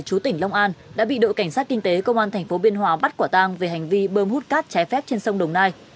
chú tỉnh long an đã bị đội cảnh sát kinh tế công an tp biên hòa bắt quả tang về hành vi bơm hút cát trái phép trên sông đồng nai